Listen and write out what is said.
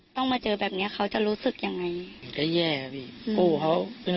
ต้องเดินหน้าต่อไป